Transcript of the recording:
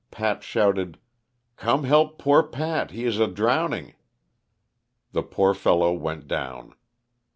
Pat shouted, ''Come help poor Pat, he is a drowning." The poor fellow went down.